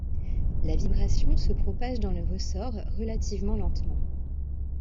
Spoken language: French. La vibration se propage dans le ressort relativement lentement.